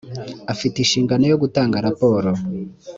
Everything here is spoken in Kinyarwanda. afite inshingano yo gutanga raporo